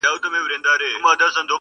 • دا له سترګو فریاد ویښ غوږونه اوري,